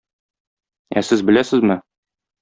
Ә сез беләсезме?